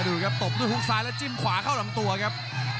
ดูครับตบด้วยฮุกซ้ายแล้วจิ้มขวาเข้าลำตัวครับ